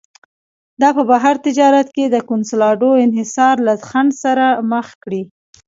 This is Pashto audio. دا په بهر تجارت کې د کنسولاډو انحصار له خنډ سره مخ کړي.